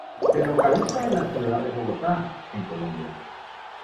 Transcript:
Se localizaba en la ciudad de Bogotá, en Colombia.